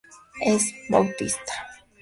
Es bautista.